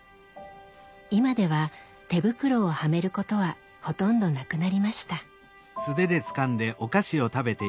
今では手袋をはめることはほとんどなくなりました。